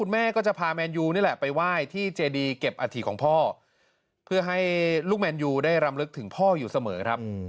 แมนยูได้รำลึกถึงพ่ออยู่เสมอครับ